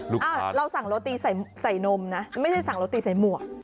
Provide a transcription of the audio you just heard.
เราสั่งโรตีใส่นมนะไม่ใช่สั่งโรตีใส่หมวก